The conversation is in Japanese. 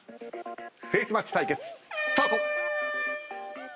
フェイスマッチ対決スタート！